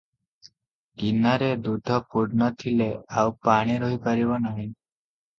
ଗିନାରେ ଦୁଧ ପୂର୍ଣ୍ଣ ଥିଲେ ଆଉ ପାଣି ରହି ପାରିବ ନାହିଁ ।